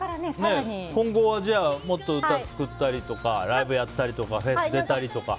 今後はもっと歌を作ったりライブやったりとかフェスに出たりとか。